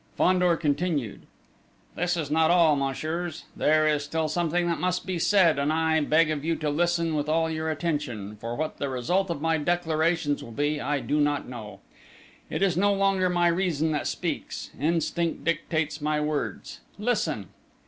Fandor continued: "This is not all, messieurs!... There is still something that must be said, and I beg of you to listen with all your attention, for what the result of my declarations will be, I do not know! It is no longer my reason that speaks, instinct dictates my words! Listen!..."